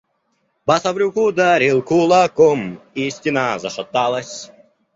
Басаврюк ударил кулаком, и стена зашаталась.